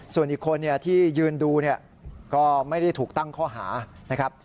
ส่วนอีกคนที่ยืนดูเนี่ยก็ไม่ได้ถูกตั้งข้อหานะครับ